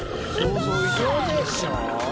ウソでしょ？